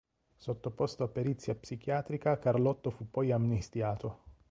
Sottoposto a perizia psichiatrica Carlotto fu poi amnistiato.